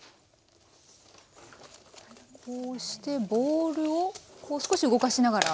こうしてボウルを少し動かしながら。